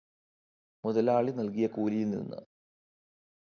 മുതലാളി നൽകിയ കൂലിയിൽനിന്ന്.